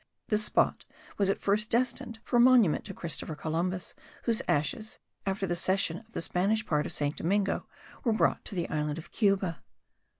This spot was at first destined for a monument to Christopher Columbus whose ashes, after the cession of the Spanish part of St. Domingo, were brought to the island of Cuba.